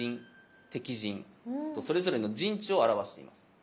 それぞれの陣地を表しています。